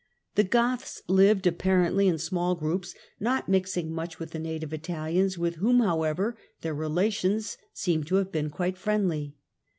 The Goths lived apparently in small groups, not mixing much with the native Italians, with whom, however, their relations seem to have been quite friendly.